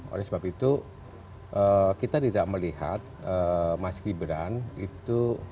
oleh sebab itu kita tidak melihat mas gibran itu